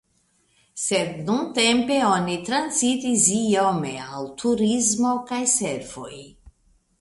Sed nuntempe oni transiris iome al turismo kaj servoj.